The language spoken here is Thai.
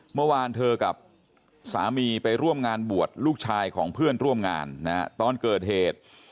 เมื่อวานเธอกับสามีไปร่วมงานบวชลูกชายของเพื่อนร่วมงานนะฮะตอนเกิดเหตุ